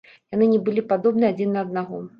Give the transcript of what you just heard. Яны не былі падобны адзін на аднаго.